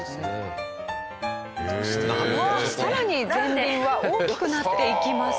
更に前輪は大きくなっていきます。